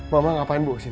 mama ngapain bu kesini